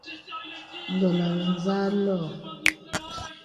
Ndɔ̌là zà lɔ̄ɔ̄.